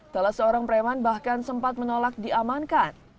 salah seorang preman bahkan sempat menolak diamankan